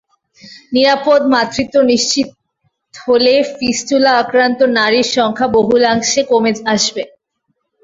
নিরাপদ মাতৃত্ব নিশ্চিত হলে ফিস্টুলা আক্রান্ত নারীর সংখ্যা বহুলাংশে কমে আসবে।